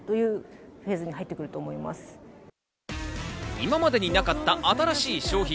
今までになかった新しい消費。